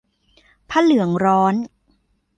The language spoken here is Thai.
ผ้าเหลืองร้อน